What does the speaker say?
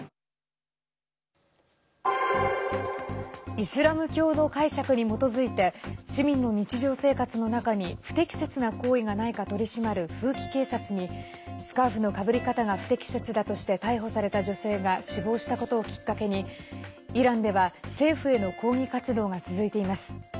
イスラム教の解釈に基づいて市民の日常生活の中に不適切な行為がないか取り締まる風紀警察にスカーフのかぶり方が不適切だとして逮捕された女性が死亡したことをきっかけにイランでは政府への抗議活動が続いています。